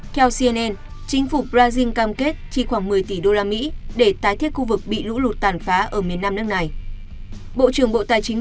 theo cnn chính phủ brazil cam kết chi khoảng một mươi tỷ usd để tái thiết khu vực bị lũ lụt tàn phá ở miền nam nước này